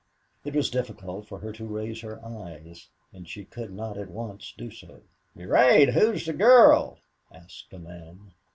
It was difficult for her to raise her eyes, and she could not at once do so. "Durade, who's the girl?" asked a man.